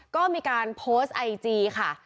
ก็มีการโพสต์ไอจีค่ะ